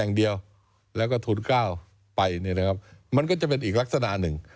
แดงเดียวแล้วก็ทุนก้าวไปมันก็จะเป็นอีกลักษณะหนึ่ง